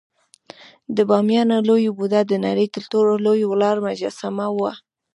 د بامیانو لوی بودا د نړۍ تر ټولو لوی ولاړ مجسمه وه